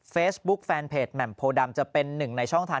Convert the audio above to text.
เฟซบุ๊กแฟนเพจแหม่มโพดัมจะเป็นหนึ่งในช่องทาง